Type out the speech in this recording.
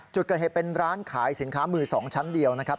จุดเกิดเหตุเป็นร้านขายสินค้ามือ๒ชั้นเดียวนะครับ